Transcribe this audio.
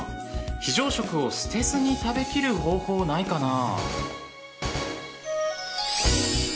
非常食を捨てずに食べ切る方法ないかな？